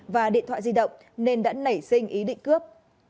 và điện thoại di động nên đã nảy sinh ý định cướp